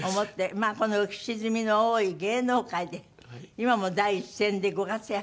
まあこの浮き沈みの多い芸能界で今も第一線でご活躍。